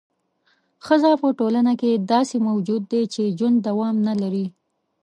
ښځه په ټولنه کې داسې موجود دی چې ژوند دوام نه لري.